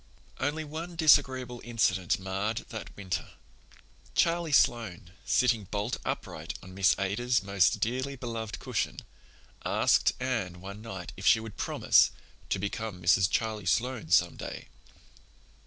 Only one disagreeable incident marred that winter. Charlie Sloane, sitting bolt upright on Miss Ada's most dearly beloved cushion, asked Anne one night if she would promise "to become Mrs. Charlie Sloane some day."